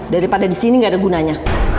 daripada disini gak ada gunanya